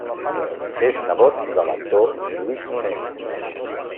És nebot de l'actor Lluís Nonell.